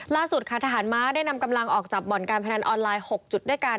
ล่าสุดค่ะทหารม้าได้นำกำลังออกจากบ่อนการพนันออนไลน์๖จุดด้วยกัน